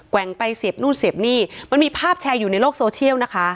แว่งไปเสียบนู่นเสียบนี่มันมีภาพแชร์อยู่ในโลกโซเชียลนะคะ